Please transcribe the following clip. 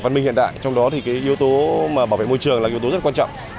văn minh hiện đại trong đó thì cái yếu tố bảo vệ môi trường là yếu tố rất quan trọng